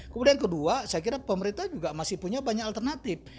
kemudian kedua saya kira pemerintah juga masih punya banyak alasan